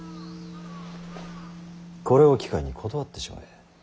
これを機会に断ってしまえ。